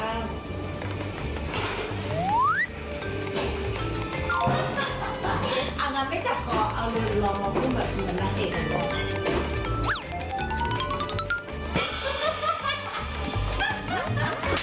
เอามาไม่จับกรอเอาเลยลองมาพูดแบบคุณนักเอกหน่อย